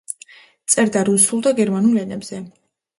წერდა რუსულ და გერმანულ ენებზე.